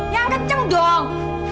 yang keceng dong